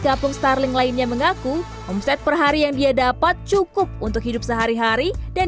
kampung starling lainnya mengaku omset perhari yang dia dapat cukup untuk hidup sehari hari dan